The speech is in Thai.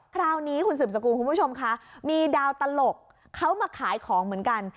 คราวนี้คุณสืบสกุลคุณผู้ชมคะมีดาวตลกเขามาขายของเหมือนกัน